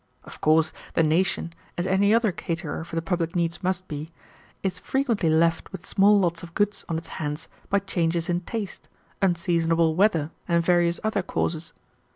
Of course the nation, as any other caterer for the public needs must be, is frequently left with small lots of goods on its hands by changes in taste, unseasonable weather and various other causes.